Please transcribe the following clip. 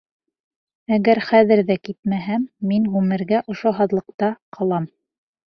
Әгәр хәҙер ҙә китмәһәм, мин ғүмергә ошо һаҙлыҡта ҡалам!